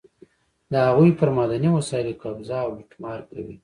د هغوی پر معدني وسایلو قبضه او لوټمار کوي.